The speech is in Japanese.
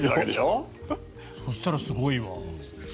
そしたらすごいわ。